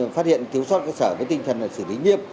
phát hiện thiếu sót cơ sở với tinh thần xử lý nghiêm